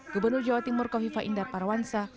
gubernur jawa timur kofifa indar parawansa